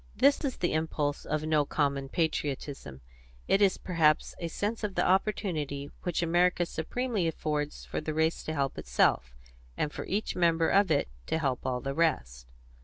This is the impulse of no common patriotism; it is perhaps a sense of the opportunity which America supremely affords for the race to help itself, and for each member of it to help all the rest.